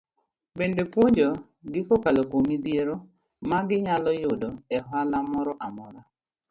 Bende puonjo gi kokalo kuom midhiero magi nyalo yudo e ohala moro amora.